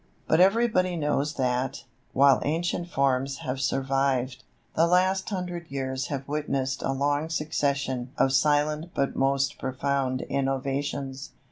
But everybody knows that, while ancient forms have survived, the last hundred years have witnessed a long succession of silent but most profound innovations.